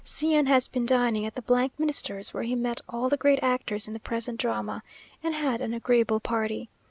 C n has been dining at the Minister's, where he met all the great actors in the present drama, and had an agreeable party.